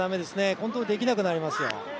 コントロールができなくなりますよ。